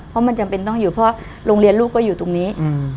เพราะมันจำเป็นต้องอยู่เพราะโรงเรียนลูกก็อยู่ตรงนี้